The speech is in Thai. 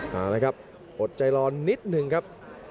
เอาละครับอดใจรอนิดหนึ่งครับ